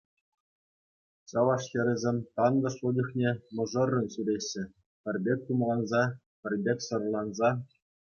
Чӑваш хӗрӗсем тантӑшлӑ чухне мӑшӑррӑн ҫӳреҫҫӗ, пӗр пек тумланса, пӗр пек сӑрланса.